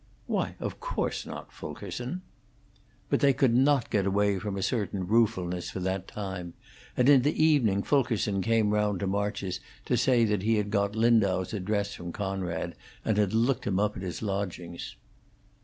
"Why, of course not, Fulkerson." But they could not get away from a certain ruefulness for that time, and in the evening Fulkerson came round to March's to say that he had got Lindau's address from Conrad, and had looked him up at his lodgings.